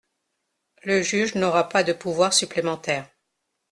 Le juge n’aura pas de pouvoir supplémentaire.